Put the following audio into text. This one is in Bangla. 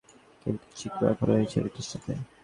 কিন্তু চিকু এখন ওই ছেলেটির সাথে।